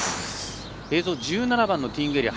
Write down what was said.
映像、１７番のティーイングエリア。